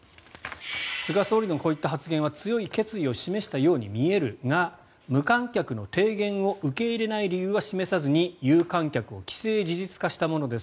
菅総理のこういった発言は強い決意を示したように見えるが無観客の提言を受け入れない理由は示さずに有観客を既成事実化したものです